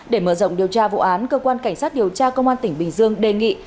để mở rộng điều tra vụ án cơ quan cảnh sát điều tra công an tỉnh bình dương đề nghị